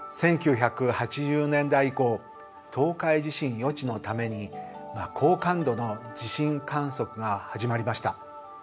１９８０年代以降東海地震予知のために高感度の地震観測が始まりました。